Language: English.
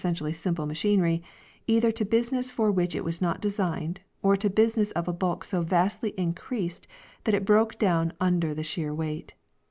OF THE REIGN OF KING JOHN 267 tially simple machinery either to business for which it was not designed or to business of a bulk so vastly increased that it broke down under the sheer weight.